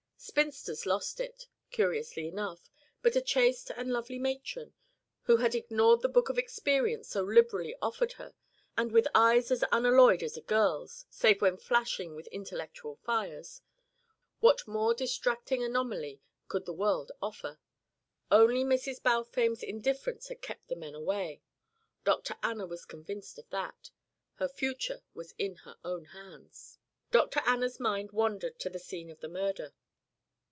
Spinsters lost it, curiously enough, but a chaste and lovely matron, who had ignored the book of experience so liberally offered her, and with eyes as unalloyed as a girl's (save when flashing with intellectual fires) what more distracting anomaly could the world offer? Only Mrs. Balfame's indifference had kept the men away Dr. Anna was convinced of that. Her future was in her own hands. Dr. Anna's mind wandered to the scene of the murder.